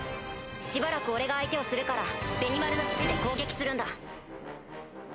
しばらく俺が相手をするからベニマルの指示で攻撃するんだ。